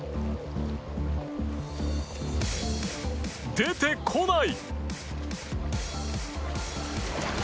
出てこない！